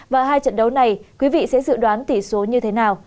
và hai trận đấu này quý vị sẽ dự đoán tỷ số như thế nào